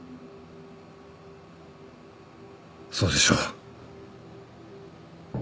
そうでしょ？